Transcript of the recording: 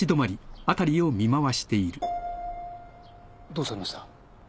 どうされました？